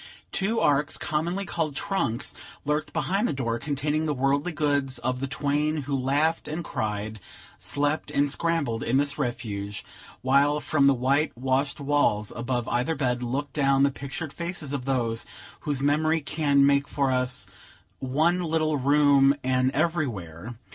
Two arks, commonly called trunks, lurked behind the door, containing the worldly goods of the twain who laughed and cried, slept and scrambled, in this refuge; while from the white washed walls above either bed, looked down the pictured faces of those whose memory can make for us "One little room an everywhere."